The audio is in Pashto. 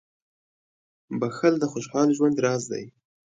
• بښل د خوشحال ژوند راز دی.